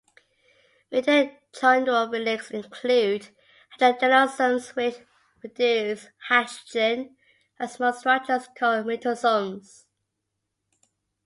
Mitochondrial relics include hydrogenosomes, which produce hydrogen, and small structures called mitosomes.